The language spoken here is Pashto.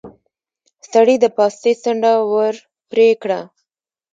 سړي د پاستي څنډه ور پرې کړه.